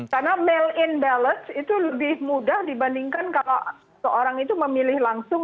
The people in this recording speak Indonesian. karena mail in ballots itu lebih mudah dibandingkan kalau seorang itu memilih langsung